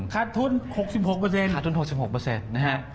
คัดทุน๖๖เปอร์เซ็นต์นะครับคัดทุน๖๖เปอร์เซ็นต์